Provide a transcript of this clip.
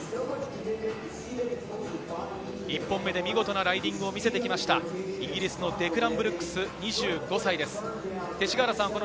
１本目で見事なライディングを見せてきました、イギリスのデクラン・ブルックス、２５歳です。